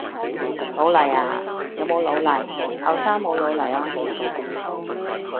老泥呀，有冇老泥？後生冇老泥啊？